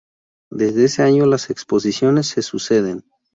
Desde ese año, las exposiciones se suceden.